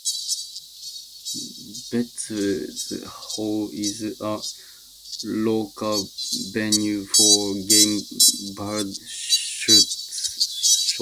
Bettws Hall is a local venue for game bird shoots.